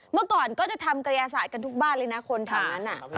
เมื่อก่อนก็จะทำกระยาศาสตร์กันทุกบ้านเลยนะคนแถวนั้น